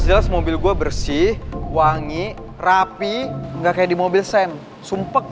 jelas dua mobil gua bersih wangi rapi ga kaya di mobil sam sumpek